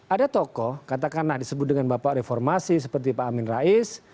ada tokoh katakanlah disebut dengan bapak reformasi seperti pak amin rais